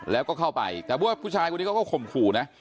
แล้วก็เข้าไปแต่ว่าผู้ชายคนนี้เขาก็ข่มขู่นะ